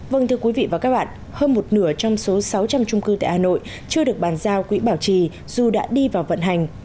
vâng thưa quý vị và các bạn hơn một nửa trong số sáu trăm linh trung cư tại hà nội chưa được bàn giao quỹ bảo trì dù đã đi vào vận hành